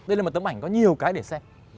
đây là một tấm ảnh có nhiều cái để xem